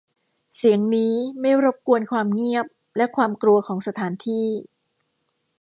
เสียงนี้ไม่รบกวนความเงียบและความกลัวของสถานที่